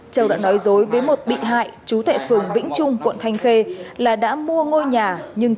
châu đã nói dối với một bị hại chú tại phường vĩnh trung quận thanh khê là đã mua ngôi nhà nhưng